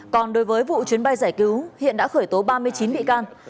còn đối với vụ chuyến bay giải cứu hiện đã khởi tố ba mươi chín bị can